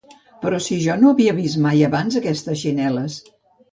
—Però si jo no havia vist mai abans aquestes xinel·les.